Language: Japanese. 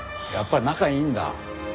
やっぱり仲いいんだ。